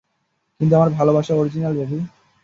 কিন্তু আমার ভালোবাসা অরিজিনাল, বেবি!